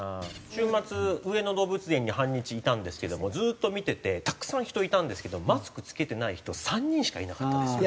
週末上野動物園に半日いたんですけどもずっと見ててたくさん人いたんですけどマスク着けてない人３人しかいなかったですよ。